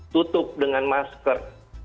tutup dengan masker